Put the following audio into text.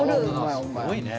すごいね。